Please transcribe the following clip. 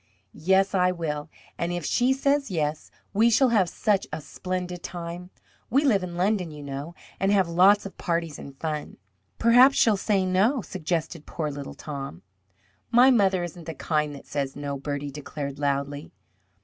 "Yes, I will. And if she says yes, we shall have such a splendid time. We live in London, you know, and have lots of parties and fun." "Perhaps she will say no?" suggested poor little Tom. "My mother isn't the kind that says no," Bertie declared loudly.